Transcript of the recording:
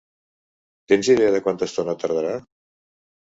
Tens idea de quanta estona tardarà?